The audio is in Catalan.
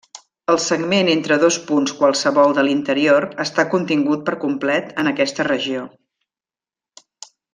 El segment entre dos punts qualssevol de l'interior està contingut per complet en aquesta regió.